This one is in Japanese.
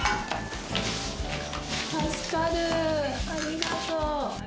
ありがとう。